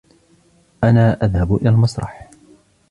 أنا أذهب إلى المسرح.